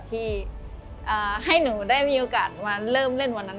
ที่ให้หนูได้มีโอกาสมาเริ่มเล่นวันนั้น